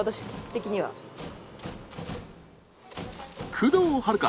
工藤遥加